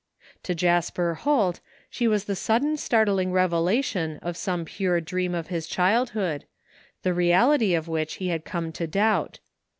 To Jasper Holt she was the sudden startling revela tion of some pure dream of his childhood, the reality of which he had come to doubt.